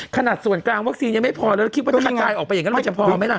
ขนาดส่วนกลางวัคซีนยังไม่พอแล้วคิดว่าถ้ามันกายออกไปอย่างนั้นมันจะพอไหมล่ะ